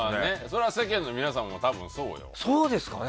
それは世間の皆様も多分そうやわ。